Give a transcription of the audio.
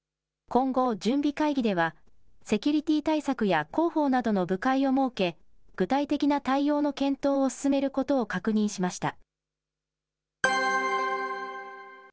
今後、準備会議では、セキュリティ対策や広報などの部会を設け、具体的な対応の検討を進めることを確認しました。